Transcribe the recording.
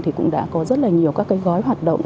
thì cũng đã có rất là nhiều các cái gói hoạt động